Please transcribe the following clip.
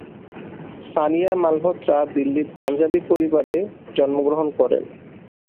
সানিয়া মালহোত্রা দিল্লির পাঞ্জাবি পরিবারে জন্মগ্রহণ করেন।